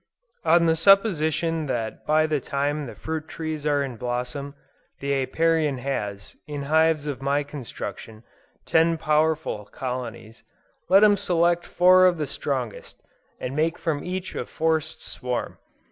On the supposition that by the time the fruit trees are in blossom, the Apiarian has, in hives of my construction, ten powerful colonies, let him select four of the strongest, and make from each a forced swarm.